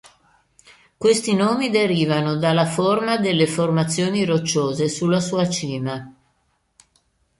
Questi nomi derivano dalla forma delle formazioni rocciose sulla sua cima.